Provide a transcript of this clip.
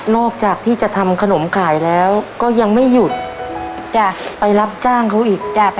จากที่จะทำขนมขายแล้วก็ยังไม่หยุดจ้ะไปรับจ้างเขาอีกจ้ะ